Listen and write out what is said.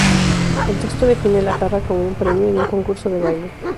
El texto define la jarra como un premio en un concurso de baile.